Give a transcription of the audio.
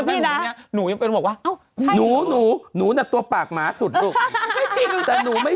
วิดไว้